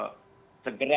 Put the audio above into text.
sehingga mereka kemudian juga